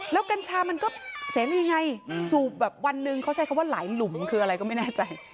แล้วกัญชามันก็เสรียังไงสูบแบบวันหนึ่งเขาใช้คำว่าหลายหลุมคืออะไรก็ไม่แน่ใจ